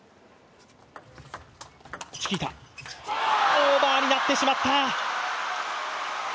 オーバーになってしまった。